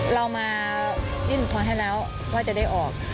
เรามานี่หนูท้องให้แล้วว่าจะได้ออก